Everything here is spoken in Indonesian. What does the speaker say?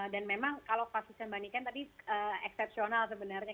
dan memang kalau pasien mbak niken tadi eksepsional sebenarnya